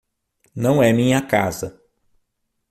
Não é minha casa.